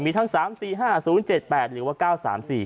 มีทั้ง๓๔๕๐๗๘หรือว่า๙๓๔